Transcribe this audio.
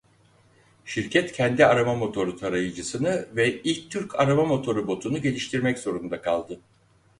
Şirket kendi arama motoru tarayıcısını ve ilk Türk arama motoru botunu geliştirmek zorunda kaldı.